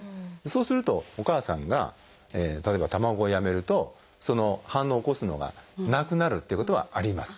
そうするとお母さんが例えば卵をやめるとその反応を起こすのがなくなるっていうことはあります。